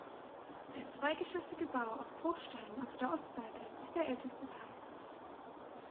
Der zweigeschossige Bau aus Bruchstein auf der Ostseite ist der älteste Teil.